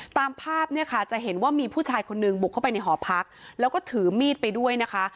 ตามภาพเนี่ยค่ะจะเห็นว่ามีผู้ชายคนหนึ่งบุกเข้าไปในหอพักแล้วก็ถือมีดไปด้วยนะคะ